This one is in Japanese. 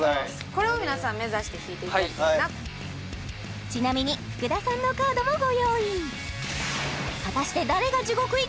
これを皆さん目指して引いていただきたいなちなみに福田さんのカードもご用意果たしてはい